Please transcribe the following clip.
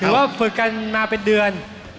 ว่าฝึกกันมาเป็นเดือน